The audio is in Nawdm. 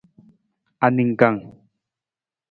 Aningkang.